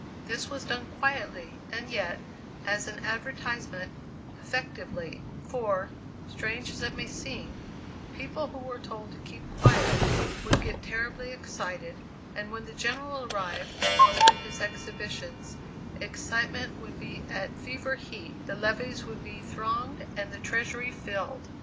This was done quietly, and yet, as an advertisement, effectively, for, strange as it may seem, people who were told to keep quiet, would get terribly excited, and when the General arrived and opened his exhibitions, excitement would be at fever heat, the levees would be thronged, and the treasury filled!